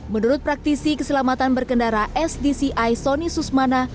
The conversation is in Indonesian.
menurut praktisi keselamatan berkendara sdci sony susmana